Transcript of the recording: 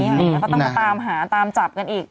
แล้วก็ต้องมาตามหาตามจับกันอีก